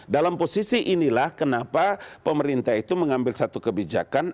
dalam posisi inilah kenapa pemerintah itu mengambil satu kebijakan